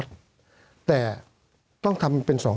สวัสดีครับทุกคน